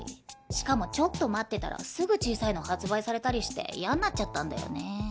しかもちょっと待ってたらすぐ小さいの発売されたりしてやんなっちゃったんだよね。